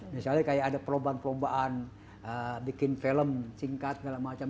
misalnya kayak ada perlombaan perlombaan bikin film singkat segala macam